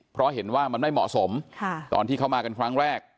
เพราะเห็นว่ามันไม่เหมาะสมตอนที่เขามากันครั้งแรก